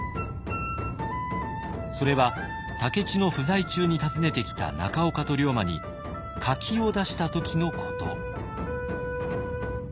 それは武市の不在中に訪ねてきた中岡と龍馬に柿を出した時のこと。